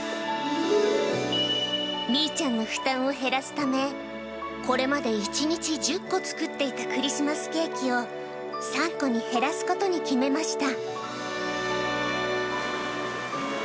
みいちゃんの負担を減らすため、これまで１日１０個作っていたクリスマスケーキを３個に減らすことに決めました。